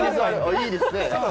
いいですね。